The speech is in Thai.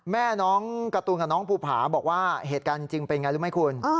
แม่น้องการ์ตูนกับน้องภูผาบอกว่าเหตุการณ์จริงเป็นไงรู้ไหมคุณ